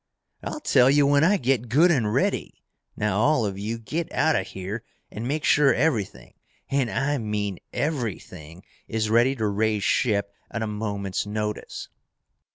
"I'll tell you when I get good and ready! Now all of you, get out of here and make sure everything, and I mean everything, is ready to raise ship at a moment's notice!"